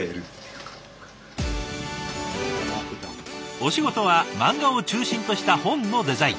お仕事は漫画を中心とした本のデザイン。